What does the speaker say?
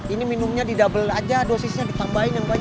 ini minumnya didabel aja dosisnya ditambahin yang banyak